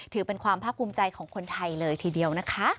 ถือเป็นความภาคภูมิใจของคนไทยเลยทีเดียวนะคะ